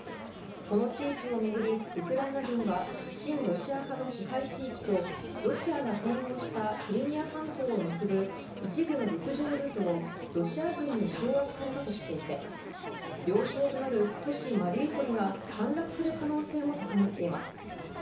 この地域を巡り、ウクライナ軍は親ロシア派支配地域とロシアが併合したクリミア半島を結ぶ一部の陸上ルートをロシア軍に掌握されたとしていて要衝となる都市マリウポリが陥落する可能性も高まっています。